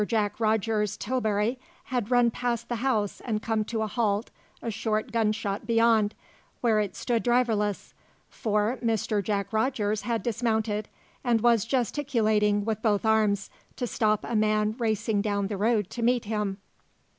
Jack Rogers's tilbury had run past the house and come to a halt a short gunshot beyond, where it stood driverless for Mr. Jack Rogers had dismounted, and was gesticulating with both arms to stop a man racing down the road to meet him.